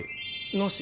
なし。